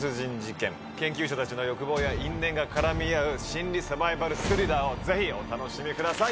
研究者たちの欲望や因縁が絡み合う心理サバイバルスリラーをぜひお楽しみください。